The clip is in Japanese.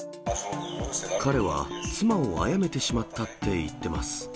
彼は、妻をあやめてしまったって言ってます。